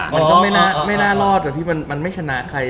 มันก็ไม่น่ารอดอะพี่มันไม่ชนะใคร